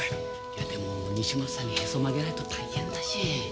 いやでも西森さんにヘソ曲げられると大変だし。